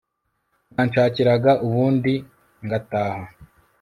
mwanshakiraga ubundi ngataha